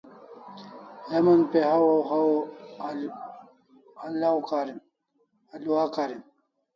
Heman pe hawaw haw alua karin